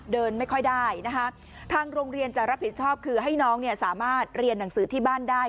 เดินไม่ค่อยได้นะคะทางโรงเรียนจะรับผิดชอบคือให้น้องเนี่ยสามารถเรียนหนังสือที่บ้านได้